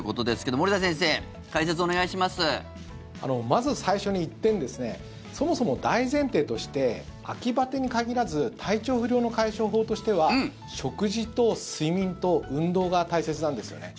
まず最初に１点そもそも大前提として秋バテに限らず体調不良の解消法としては食事と睡眠と運動が大切なんですよね。